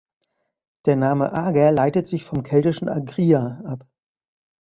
Der Name Ager leitet sich vom keltischen "Agria" ab.